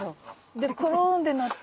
でクルンってなって。